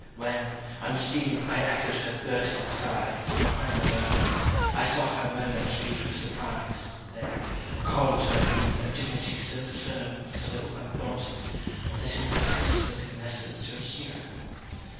When, unseen, I echoed her bursting sigh, from behind the monument, I saw her a moment mute with surprise, then, call into her mien a dignity so firm so undaunted, that it might have spoken lessons to a hero.